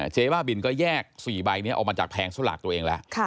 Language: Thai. เจ๊บ้าบินก็แยก๔ใบนี้ออกมาจากแผงสลากตัวเองแล้ว